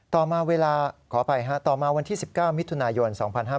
ต่อมาเวลาขออภัยฮะต่อมาวันที่๑๙มิถุนายน๒๕๕๙